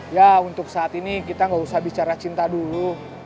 ya untuk saat ini kita nggak usah bicara cinta dulu